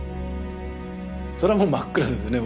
それはもう真っ暗ですね。